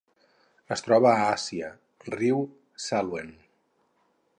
Es troba a Àsia: riu Salween.